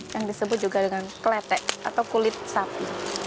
yang disebut juga dengan keletek atau kulit sapi